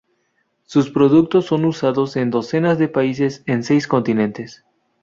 Sus productos son usados en docenas de países en seis continentes.